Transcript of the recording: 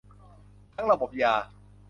ทั้งระบบยา